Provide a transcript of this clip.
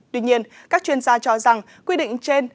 tuy nhiên các chuyên gia cho rằng quy định trên